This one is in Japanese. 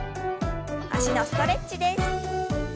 脚のストレッチです。